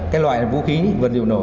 cái loại vũ khí và lượng nổ